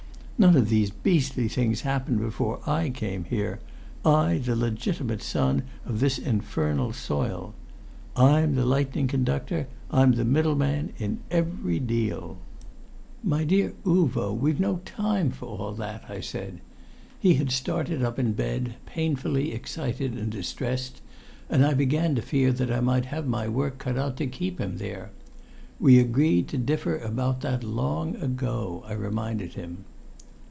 None of these beastly things happened before I came here I, the legitimate son of this infernal soil! I'm the lightning conductor, I'm the middleman in every deal!" "My dear Uvo, we've no time for all that," I said. He had started up in bed, painfully excited and distressed, and I began to fear that I might have my work cut out to keep him there. "We agreed to differ about that long ago," I reminded him.